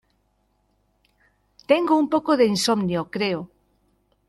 Tengo un poco de insomnio, creo.